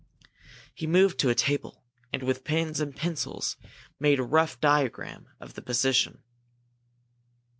He moved to a table, and with pens and pencils made a rough diagram of the position.